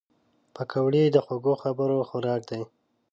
پکورې د خوږو خبرو خوراک دي